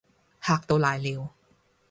嚇到瀨尿